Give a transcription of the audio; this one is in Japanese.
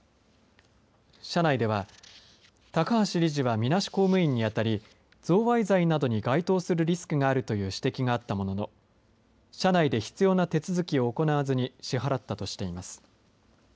社内では高橋理事はみなし公務員に当たり贈賄罪などに該当するリスクがあるという指摘があったものの社内で必要な手続きを行わずに支払ったとしています。